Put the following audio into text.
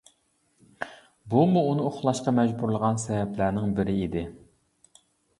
بۇمۇ ئۇنى ئۇخلاشقا مەجبۇرلىغان سەۋەبلەرنىڭ بىرى ئىدى.